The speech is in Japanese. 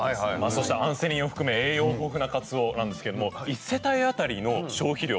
そしてアンセリンを含め栄養豊富なかつおなんですけれども一世帯当たりの消費量